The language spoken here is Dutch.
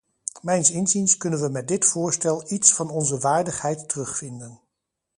Mijns inziens kunnen we met dit voorstel iets van onze waardigheid terugvinden.